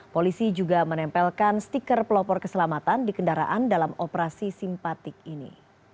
polisi juga menempelkan stiker pelopor keselamatan di kendaraan dalam operasi simpatik ini